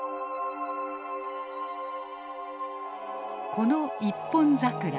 この一本桜。